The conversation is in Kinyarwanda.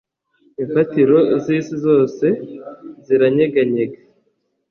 Imfatiro z'isi zose ziranyeganyega